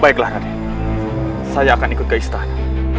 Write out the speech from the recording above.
baiklah nanti saya akan ikut ke istana